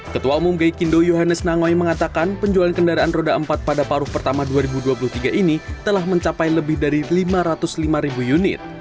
ketua umum gai kindo yohannes nangoi mengatakan penjualan kendaraan roda empat pada paruh pertama dua ribu dua puluh tiga ini telah mencapai lebih dari lima ratus lima ribu unit